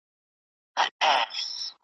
ځکه چي ورځ بېله هغه هم ښه زېری نه راوړي .